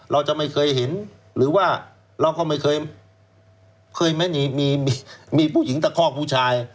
เราจะไม่เคยเห็นหรือว่าเราก็ไม่เคยมีผู้หญิงตะคอกผู้ชาย